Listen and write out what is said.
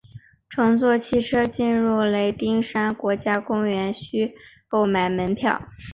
乘坐汽车进入雷丁山国家公园需购买门票。